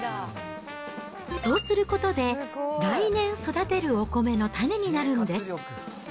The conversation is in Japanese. そうすることで、来年育てるお米の種になるのです。